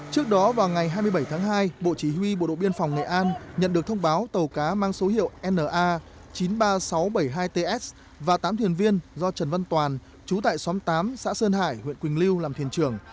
trước đó vào ngày hai mươi bảy tháng hai bộ chỉ huy bộ đội biên phòng nghệ an nhận được thông báo tàu cá mang số hiệu na chín mươi ba nghìn sáu trăm bảy mươi hai ts và tám thuyền viên do trần văn toàn chú tại xóm tám xã sơn hải huyện quỳnh lưu làm thuyền trưởng